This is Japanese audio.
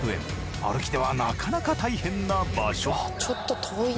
歩きではなかなか大変な場所。